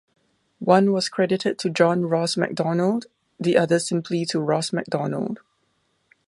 One was credited to John Ross Macdonald, the other simply to Ross Macdonald.